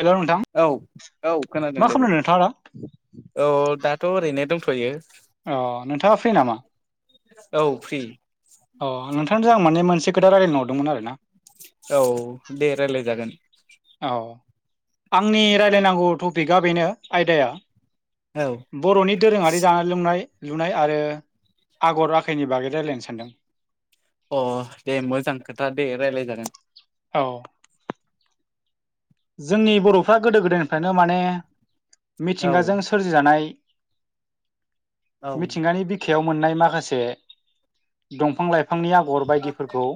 हेल' नोंथां औ औ खोनादों मा दे बुं खालामदों नोंथाङा दा? औ दाथ' ओरैनो दंथ'यो अ नोंथाङा फ्रि नामा? औ फ्रि। अ नोंथांनोजों आं माने मोनसे खोथा रायलायनो हरदोंमोन आरो ना औ दे रायज्लाय जागोन औ आंनि राय्लायनांगौ टपिकआ बेनो आयदाया औ बर'नि दोरोङारि जानाय लोंनाय लुनाय आरो आगर आखाइनि बागै रायज्लायनो सानदों अ दे मोजां खोथा दे रायज्लायजागोन औ जोंनि बर'फ्रा गोदो गोदायनिफ्रायनो माने औ मिथिंगाजों सोरजिजानाय औ मिथिंगानि बिखायाव मोननाय माखासे दंफां लाइफां फांनि आगर बायदिफोरखौ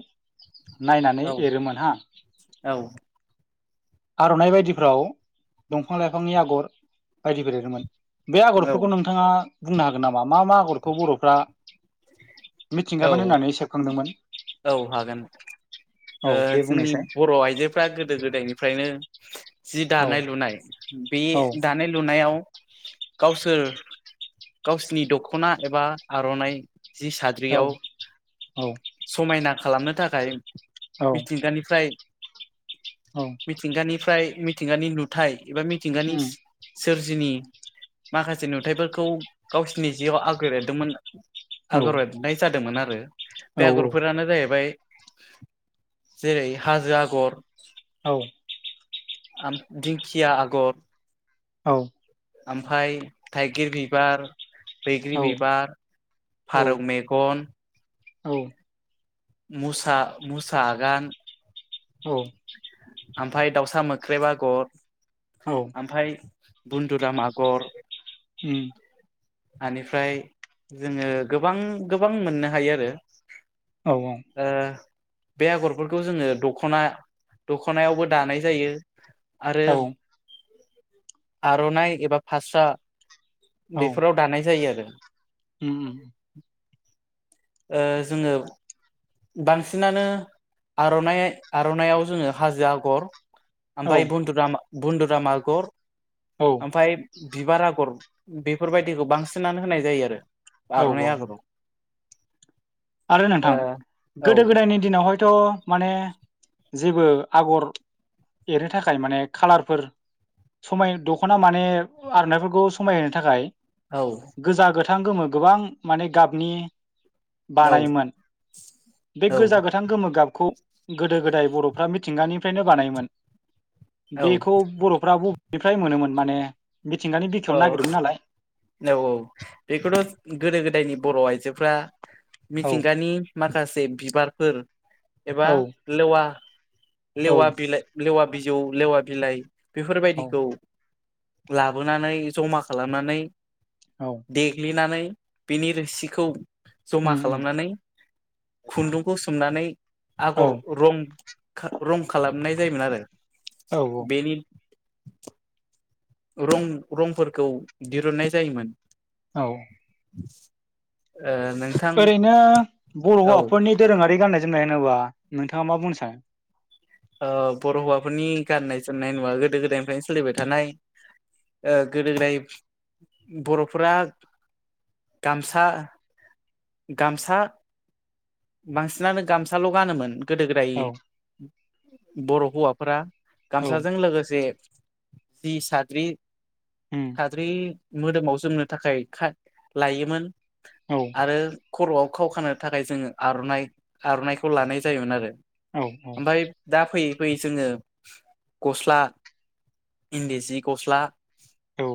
नायनानै औ एरोमोन औ आर'नाइ बायदिफ्राव दंफां लाइफांनि आगर बायदिफोर एरोमोन बे औ आगरफोरखौ नोंथाङा बुंनो हागोन नामा मा मा आगरखौ बर'फ्रा औ मिथिंगामोन होननानै सेबखांदोंमोन? औ हागोन औ ओ दे जोंनि बुंनायसाय बर' आइजोफ्रा गोदो गोदायनिफ्रायनो जि औ दानाय लुनाय बे औ दानाय लुनायाव गावसोर गावसिोरनि दख'ना एबा आर'नाइ जि रि औ आाव औ समायना खालामनो थाखाय औ मिथिंगानिफ्राय औ मिथिंगानिफ्राय मिथिंगानि नुथाय एबा मिथिंगानि उम सोरजिनि माखासे नुथाइफोरखौ गावसिनि जिआव आगो लिरदोंमोन औ आगर एरनाय जादोंमोन आरो औ बे आगरफोरानो जाहैबाय जेरै हाजो आगर औ दिधिंखिया आगर औ ओमफाय थाइगिर बिबार औ बैग्रि बिबार फारौ मेगन औ मुसा मुसागान औ ओमफफ्राय दाउसा मोख्रेबा गर औ ओमफफ्राय बन्न्दुराम आगर ह बेनिफ्राय जोङो गोबां गोबां मोननो हायो आरो औ आ बे आगरफोरखौ जोङो दख'ना दखनायावबो दानाय जायो आरो औ आर'नाइ एबा फास्रा बेफोराव दानाय जायो आरो ह जोङो बांसिनानो आर'नाइ आर'नायइाव जोङो हाजो आगर औ ओमफफ्राय बन्दुराम बन्न्दुराम आगर औ ओमफफ्राय बिबार आगर बेफोरबायदिखौ बांसिनानो होनाय जायो आरो औ आर'नाइ औ आगराव आरो नोंथां ओ गोदो गोदायनि दिनावहाय थ माने जेबो आगर एरनो थाखाय माने खाालारफोर समाय दख'ना माने आर'नाइफोरखौ समायहो थाखाय औ गोजा गोथां गोमो गोबां माने गाबनि औ बानायोमोन बे गोजा गोथां गोमो गाब खौ गोदो गोदाय बर'फ्रा मिथिंगानिफ्रायनो बानायोमोन औ बेखौ बर'फ्रा बबेनिफ्राय मोनोमोन माने मिथिंगानि बिखायाव औ नागिरोमोन नालाय औ औ बेखौथ' गोदो गोदायनि बर' आइजोफ्रा औ मिथिंगानि माखासे बिबारफोर एबा औ लेवा औ लेवा बिलाइ लेवा बिजौ लेवा बिलाइ औ बेफोरबायदिखौ लाबोनानै जमा खालामनानै औ देग्लिनानै बिनि रोसिखौ जमा उम उम खालामनानै खुन्दुंखौ सोमनानै आगर औ रं रं खालामनाय जायोमोन आरो औ बेनि [inaudible] रं रंफोरखौ दिरुननाय जायोमोन औ [inaudible] नोंथां ओरैनो बर' औ हौवाफोरनि दोरोङारि गाननाय जोमनाय होनोबा नोंथाङा मा बुंनो सानो बर' हौवाफोरनि गाननाय जोमनाय नङा गोदो गोदायनिफ्रायनो सोलिबाय थानाय ओ गोदो गोदाय बर'फोरा गामसा गामसा बांसिनानो गामसाल' गानोमोन। गोदो गोदाय औ बर' हौवाफोरा औ गामसाजों लोगोसे जि साद्रि उम साद्रि मोदोमाव जोमनो थाखाय खाय लायोमोन औ आरो खर'आव खाव खानो थाखाय जोंङो आर'नाइ आर'नाइखौ लानाय जायोमोन आरो। औ औ ओमफ्राय दा फैयै फैयै जोंङो गस्ला, इन्दि जि गस्ला औ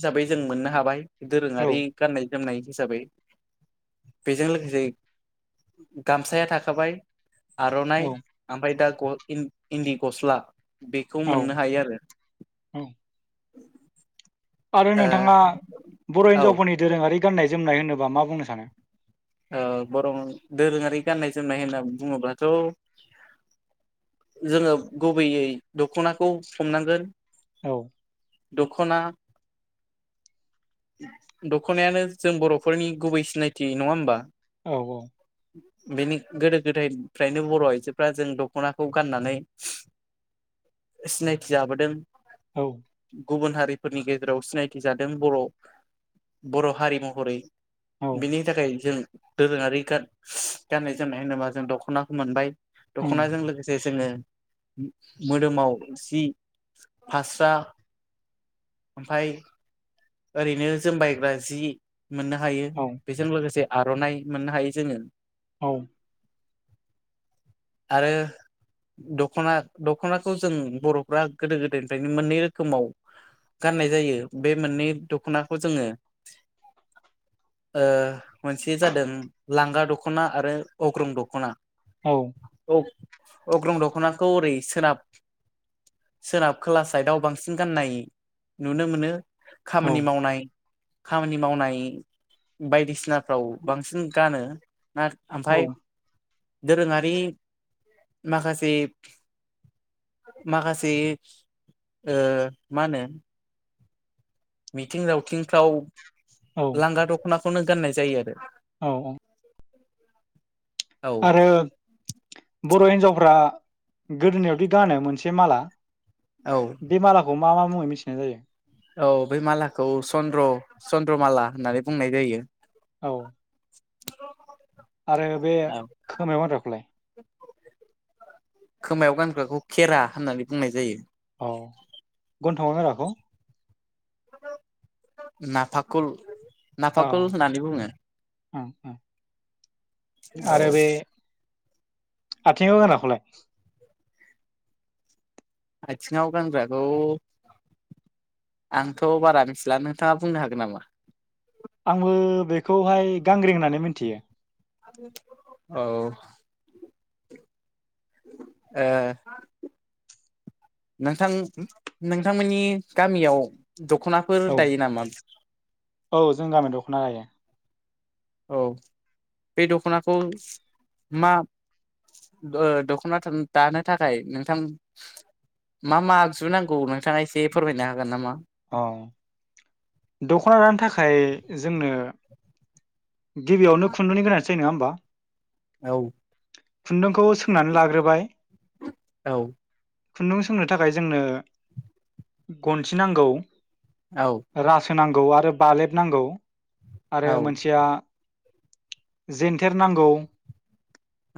हिसाबै जों मोननो हाबाय दोरोङारि औ गाननाय जोमनाय हिसाबै बेजों लोगोसे गामसाया थाखाबाय आर'नाइ ओमफ्राय दा ग इन इन्दि गस्ला बेखौ औ मोननो हायो आरो औ आरो नोंथाङा ओ बर' औ हिन्जावफोरनि दोरोङारि गाननाय जोमनाय होनोबा मा बुंनो सानो? ओ बर' दोरोङारि गाननाय जोमनाय होनना बुङोब्लाथ' जोंङो गुबैयै दख'नाखौ हमनांगोन। औ दख'ना दख'नायानो जों बर'फोरनि गुबै सिनायथि नङा होमबा? औ औ बेनि गोदो गोदायनिफ्रायनो बर' आइजोफोरा जों दख'नाखौ गाननानै सिनायथि जाबोदों औ गुबुन हारिफोरनि गेजेराव सिनायथि जादों बर' बर' हारि महरै। औ बिनि थाखाय जों दोरोङारि गान गाननाय जोमनाय होनोबा जों दख'नाखौ मोनबाय। उम दख'नाजों लोगोसे जोंङो मोदोमाव जि फास्रा ओमफाय ओरैनो जोमबायग्रा जि मोननो हायो औ बेजों लोगोसे आर'नाइ मोननो हायो जोंङो औ आरो दख'ना दख'नाखौ जों बर'फ्रा गोदो गोदायनिफ्रायनो मोननै रोखोमाव गाननाय जायो बे मोननै दख'नाखौ जोंङो ओ मोनसे जादों लांगा दख'ना आरो अग्रं दख'ना। औ अग अग्रं दख'नाखौ ओरै सोनाब सोनाब खोला साइदआव बांसिन गाननाय नुनो मोनो। खामानि मावनाय खामानि मावनाय बायदिसिनाफ्राव बांसिन गानो। औ ओमफाय दोरोङारि माखासे माखासे ओ मा होनो मिथिं दावथिंफ्राव लांगा दख'नाखौनो गाननाय जायो आरो औ औ [inaudible] आरो बर' हिन्जावफ्रा गोदोनायावदि गानो मोनसे माला औ बे मालाखौ मा मा मुङै मिथिनाय जायो? औ बे मालाखौ चन्द्र चन्द्र माला होननानै बुंनाय जायो। औ आरो बे खोमायाव गानग्राखौलाय? खोमायाव गानग्राखौ खेरा होननानै बुंनाय जायो। औ गन्थंआव गानग्राखौ नाफाकल औ नाफाकलखौ होननानै बुंङो उम उम औ आथिंआव गोनग्राखौलाय आथिङाव गानग्राखौ आंथ' बारा मिथिला नोंथाङा बुंनो हागोन नामा आंबो बेखौहाय गांग्रि होननानै मिथियो औ ओ नोंथां नोंथांमोननि गामियाव दख'नाफोर औ दायो नामा औ जों गामियाव दख'ना लायो। औ बे दख'नाखौ मा ओ दख'ना दानो थाखाय नोंथां मा मा आगजु नांगौ नोंथाङा एसे फोरमायनो हागोन नामा औ दख'ना दखनो थाखाय जोंनो गिबियावनो खुन्दुंनि गोनांथि जायो नोङा होमबा औ खुन्दुंखौ सोंनानै लाग्रोबाय औ खुन्दुं सोंनो थाखाय जोंनो गनसि नांगौ औ रासो नांगौ आरो बालेबनांगौ आरो औ मोनसेया जेेनथेर नांगौ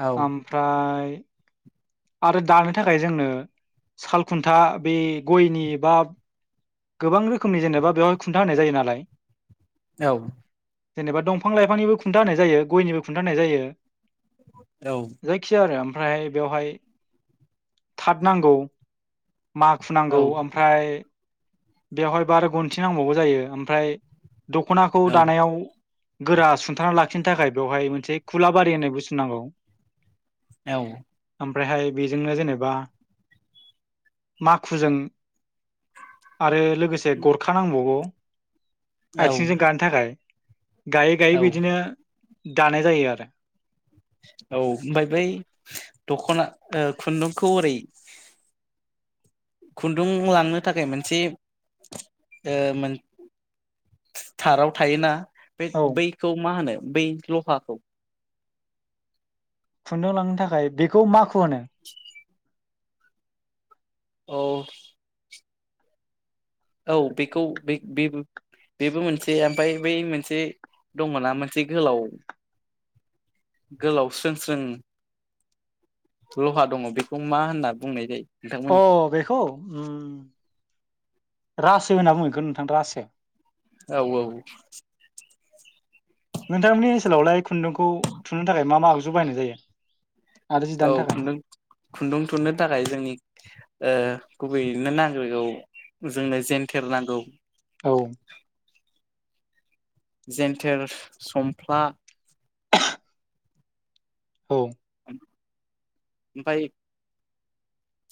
औ ओमफ्राय आरो दानो थाखाय जोंनो साल खुन्था बे गयनि बा गोबां रोखोमनि जेनेबा बेवहाय खुन्था होनाय जायो नालाय औ जेनेबा दंफां लाइफांनिबो खुन्था होनाय जायो गयनिबो खुन्था होनाय जायो औ जायखि आरो ओमफ्राय बेवहाय थाद नांगौ माखु नांगौ ओमफ्राय बेवहायबो आरो गनथि नांबावगौ जायो ओमफ्राय दख'नाखौ औ दानायाव गोरा सुंथा लाखिनो थाखाय बेवहाय मोनसे खुलाबारि होननाय बुस्थु नांगौ औ ओमफ्रायहाय बेजोंनो जेनेबा माखुजों आरो लोगोसे गरखा नांबावगौ औ औ आथिंजों गानो थाखाय गायै गायै औ बिदिनो दानाय जायो आरो औ ओमफ्राय बै दख'ना ओ खुन्दुंखौ ओरै खुन्दुं लांनो थाखाय मोनसे ओ मोन थाराव थायोना बे औ बैखौ मा होनो बै लहाखौ खुन्दुं लांनो थाखाय बेखौ माखु होनो औ औ बेखौ बे बे बेबो मोनसे ओमफ्राय बै मोनसे दङ ना मोनसे गोलाव गोलाव स्रों स्रों लहा दङ बेखौ मा होनना बुंनाय जायो अ नोंथांमोननिखै बेखौ उम रासो होनना बुङो नोंथां रासो औ औ नोंथांमोननि ओनसोलावलाय खुन्दुंखौ थुनो थाखाय मा मा आगजु बायनाय जायो आरो जि औ दानो थाखाय खुन्दुं खुन्दुं थुननो थाखाय जोंनि गुबैयैनो नांगिरगौ जोंनो जेनथेर नांगौ औ। जेन्थेर संफ्ला औ। ओमफाय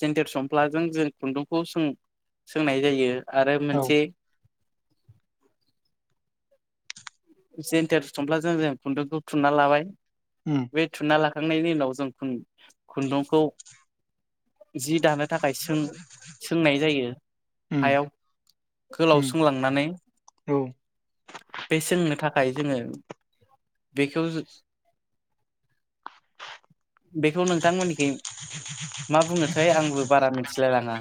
जेन्देर समफ्लाजों जों खुन्दुंखौ सों-सोंनाय जायो। आरो औ मोनसे जेन्टेर थुमफ्लाजों जों खुन्दुंखौ थुनना लाबाय उम बे थुनना लाखांनायनि उनाव जों खुन्दुंखौ जि दानो थाखाय सों-सोंनाय जायो। उम हायाव गोलाव उम संलांनानै औ बे सोंनो खाय जोङो बेखौ जो बेखौ नोंथांमोननिखि मा बुंनोसै आंबो बारा मिथिलायलाङा।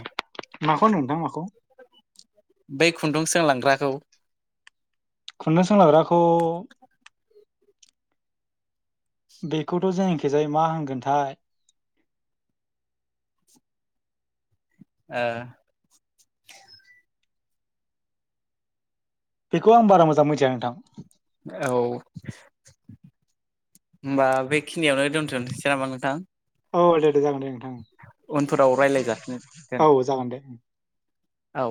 माखौ नोंथां माखौ? बै खुन्दुं सोंलांग्राखौ। खुन्दुं सोंलाग्राखौ बेखौथ' जोङिखिजाय मा होनगोनथाय? ओ बेखौ आं बारा मोजां मिथिया नोंथां। औ। होमबा बेखिनियावनो दोनथ'नोसै नामा नोंथां? औ दे-दे जागोन दे नोंथां उनफोराव रायलाय जाफिनगोन औ जागोन दे। औ।